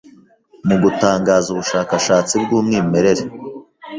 mugutangaza ubushakashatsi bwumwimerere